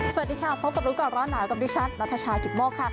สวัสดีค่ะพบกับรู้ก่อนร้อนหนาวกับดิฉันนัทชายกิตโมกค่ะ